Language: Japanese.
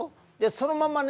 そのままね